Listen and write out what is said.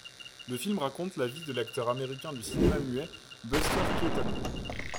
Le film raconte la vie de l'acteur américain du cinéma muet Buster Keaton.